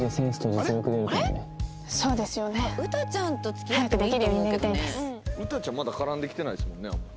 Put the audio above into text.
詩ちゃんまだ絡んできてないですもんねあんまり。